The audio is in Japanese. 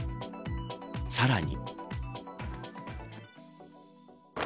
さらに。